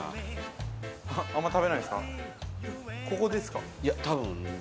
ここですか？